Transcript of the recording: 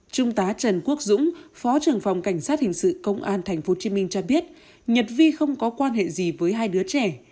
trung tá trần quốc dũng phó trưởng phòng cảnh sát hình sự công an tp hcm cho biết nhật vi không có quan hệ gì với hai đứa trẻ